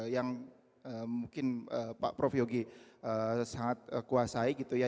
yang mungkin pak prof yogi sangat kuasai gitu ya